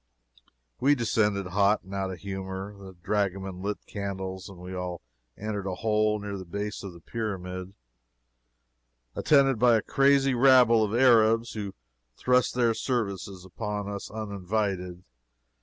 We descended, hot and out of humor. The dragoman lit candles, and we all entered a hole near the base of the pyramid, attended by a crazy rabble of Arabs who thrust their services upon us uninvited.